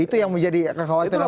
itu yang menjadi kekhawatiran